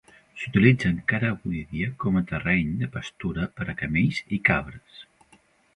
S'utilitza encara avui dia com a terreny de pastura per a camells i cabres.